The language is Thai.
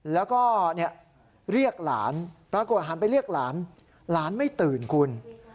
แล้วก็เรียกหลานปรากฏหันไปเรียกหลานหลานไม่ตื่นคุณ